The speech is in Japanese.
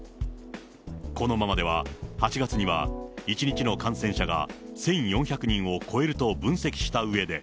このままでは８月には１日の感染者が１４００人を超えると分析したうえで。